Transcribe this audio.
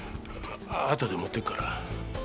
後で持ってくから。